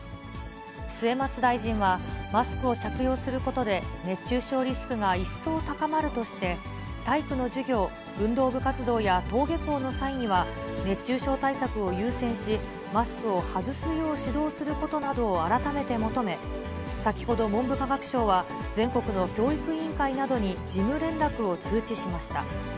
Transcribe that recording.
末松大臣は、マスクを着用することで熱中症リスクが一層高まるとして、体育の授業、運動部活動や登下校の際には、熱中症対策を優先し、マスクを外すよう指導することなどを改めて求め、先ほど文部科学省は、全国の教育委員会などに事務連絡を通知しました。